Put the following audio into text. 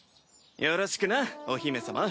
よろしくなお姫様。